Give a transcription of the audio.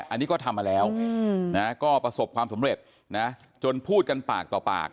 อันนี้ก็ทำมาแล้วก็ประสบความสำเร็จนะจนพูดกันปากต่อปาก